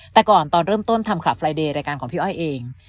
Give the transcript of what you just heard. แต่ก่อนตอนเริ่มต้นทำคลับไฟเดย์รายการของพี่อ้อยเอง